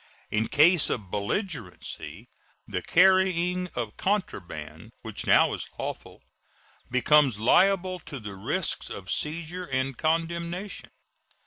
In case of belligerency the carrying of contraband, which now is lawful, becomes liable to the risks of seizure and condemnation.